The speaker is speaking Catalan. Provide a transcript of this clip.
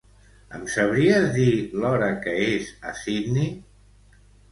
Em sabries dir l'hora que és a Sydney?